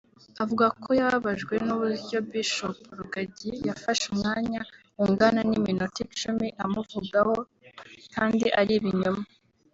Avuga ko yababajwe n’uburyo Bishop Rugagi yafashe umwanya ungana n’iminota icumi amuvugaho kandi ari ibinyoma